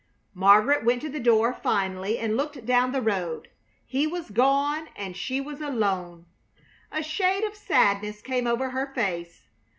Margaret went to the door finally, and looked down the road. He was gone, and she was alone. A shade of sadness came over her face.